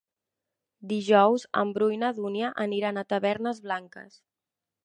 Dijous en Bru i na Dúnia aniran a Tavernes Blanques.